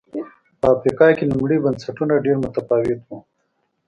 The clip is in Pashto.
په افریقا کې لومړي بنسټونه ډېر متفاوت و